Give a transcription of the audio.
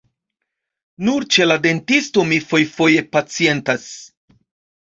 Nur ĉe la dentisto mi fojfoje pacientas.